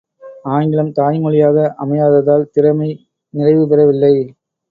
ஆங்கிலம் தாய்மொழியாக அமையாததால் திறமை நிறைவுபெறவில்லை!